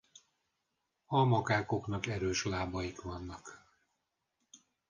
A makákóknak erős lábaik vannak.